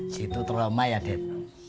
situ trauma ya dad